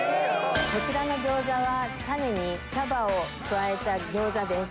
こちらの餃子はタネに茶葉を加えた餃子です。